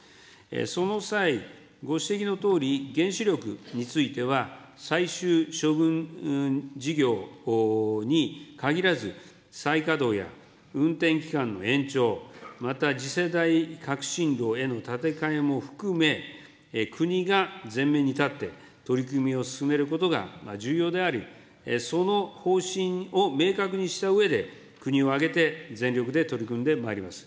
その際、ご指摘のとおり、原子力については、最終処分事業に限らず、再稼働や運転期間の延長、また、次世代革新炉への建て替えも含め、国が前面に立って取り組みを進めることが重要であり、その方針を明確にしたうえで、国を挙げて全力で取り組んでまいります。